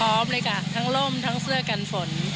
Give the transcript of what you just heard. พร้อมเลยค่ะทั้งร่มทั้งเสื้อกันฝน